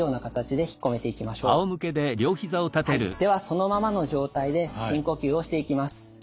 そのままの状態で深呼吸をしていきます。